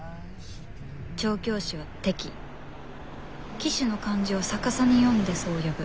調教師はテキ騎手の漢字を逆さに読んでそう呼ぶ。